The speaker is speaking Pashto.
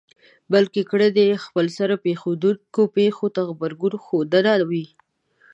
بلکې کړنې يې خپلسر پېښېدونکو پېښو ته غبرګون ښودنه وي.